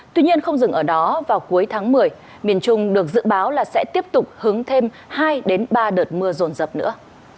tuy nhiên không dừng ở đó vào cuối tháng một mươi miền trung được dự báo là sẽ tiếp tục hướng thêm hai ba đợt mưa rồn rập nữa